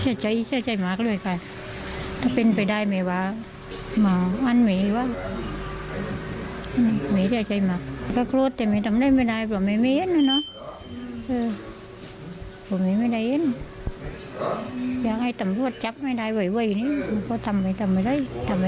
อยากให้ตำรวจจับให้ได้ไว้นี่ก็ทำไว้เลยทำไว้ใจให้ได้เลย